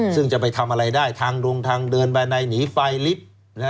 ซึ่งจะไปทำอะไรได้ทางดงทางเดินบันไดหนีไฟลิฟต์